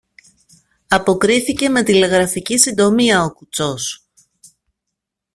αποκρίθηκε με τηλεγραφική συντομία ο κουτσός.